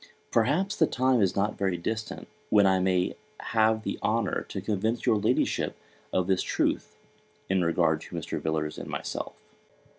Perhaps the time is not very distant, when I may have the honour to convince your Ladyship of this truth, in regard to Mr. Villars and myself.